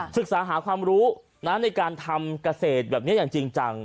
ศึกษาหาความรู้ในการทำเกษตรแบบนี้อย่างจริงจัง